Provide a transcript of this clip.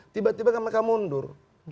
tiba tiba mereka mundur